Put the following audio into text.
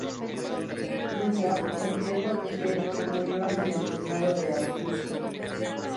Plinio el Viejo refiere que murió en el reinado de Augusto.